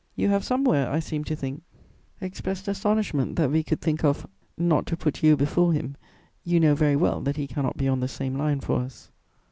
You have somewhere, I seem to think, expressed astonishment that we could think of , not to put you before him, you know very well that he cannot be on the same line for us.